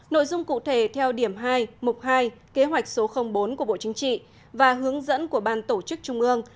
nội dung cụ thể theo điểm hai mục hai kế hoạch số bốn của bộ chính trị và hướng dẫn của ban tổ chức trung ương